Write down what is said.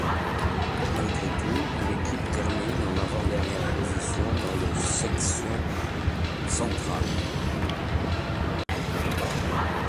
Malgré tout, l'équipe termine en avant-dernière position dans le section Centrale.